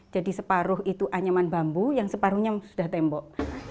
jadi separuh itu anyaman bambu yang separuhnya sudah tembok